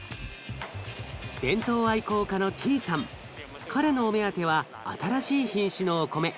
弁当愛好家の彼のお目当ては新しい品種のお米。